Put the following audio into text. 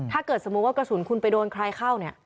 ถ้าเกิดสมมุติว่ากระสุนคุณไปโดนใครเข้าเนี่ย